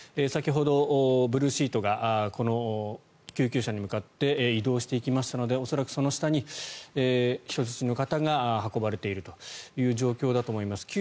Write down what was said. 先ほどブルーシートがこの救急車に向かって移動していきましたので恐らくその下に人質の方が運ばれているという状況だと思います。